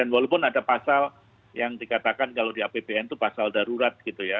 walaupun ada pasal yang dikatakan kalau di apbn itu pasal darurat gitu ya